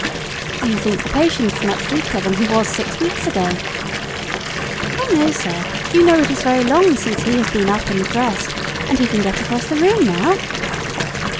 "Do you think the patient is much weaker than he was six weeks ago?" "Oh no, sir; you know it is very long since he has been up and dressed, and he can get across the room now."